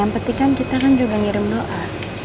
yang penting kan kita kan juga ngirim doa